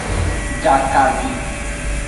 Jakavi.